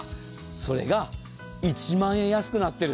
それが１万円安くなっている。